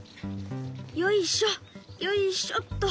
よいしょよいしょっと。